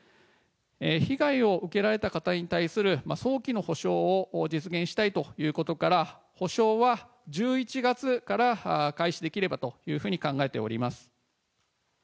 被害を受けられた方に対する早期の補償を実現したいということから、補償は１１月から開始できればというふうに考えております。